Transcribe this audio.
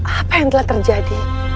apa yang telah terjadi